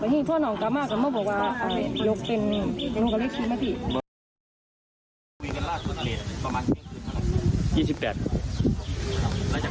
บางทีนี่พ่อน้องกลับมากก็บอกว่าโยกเป็นหนูกับเลือดชีวิตมากดี